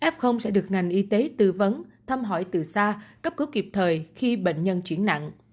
f sẽ được ngành y tế tư vấn thăm hỏi từ xa cấp cứu kịp thời khi bệnh nhân chuyển nặng